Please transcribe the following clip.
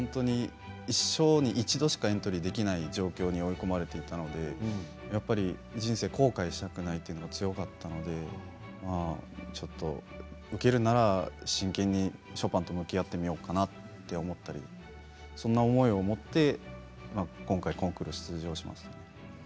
一生に１度しかエントリーできない状況に追い込まれていたので人生後悔したくないというのが強かったのでちょっと受けるなら真剣にショパンと向き合ってみようかなと思ってそんな思いを持って今回、コンクール出場しました。